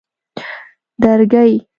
درگۍ